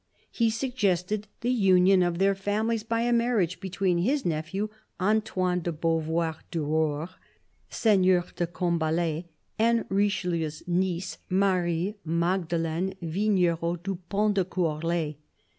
He suggested the union of their families by a marriage between his nephew, Antoine de Beauvoir du Roure, Seigneur de Combalet, and Richelieu's niece, Marie Magde leine Vignerot du Pont de Courlay.